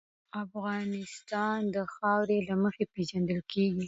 افغانستان د خاوره له مخې پېژندل کېږي.